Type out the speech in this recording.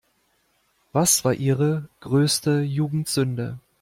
Was war Ihre größte Jugendsünde?